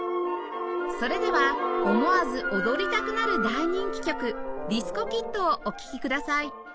それでは思わず踊りたくなる大人気曲『ディスコ・キッド』をお聴きください